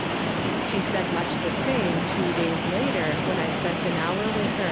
She said much tlie same two days later, when I spent an liour with her.